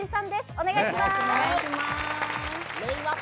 お願いします。